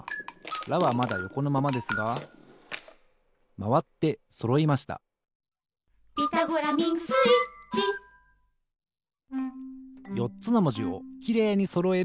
「ラ」はまだよこのままですがまわってそろいました「ピタゴラミングスイッチ」よっつのもじをきれいにそろえる